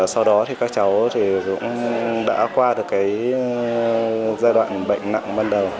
sau đó các cháu đã qua giai đoạn bệnh nặng ban đầu